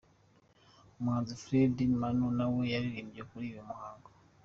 Umuhanzi Frere Manu nawe yaririmbye muri uyu muhango.